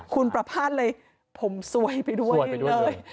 คุณประพาทเลยผมซวยไปด้วยเลย